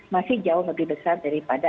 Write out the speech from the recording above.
masih jauh lebih besar daripada